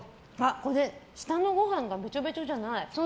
これ、下のご飯がべちょべちょじゃない。